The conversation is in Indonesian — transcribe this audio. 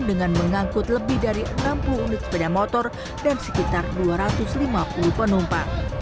dengan mengangkut lebih dari enam puluh unit sepeda motor dan sekitar dua ratus lima puluh penumpang